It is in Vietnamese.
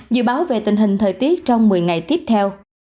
dự báo về tình hình thời tiết trong một mươi ngày tiếp theo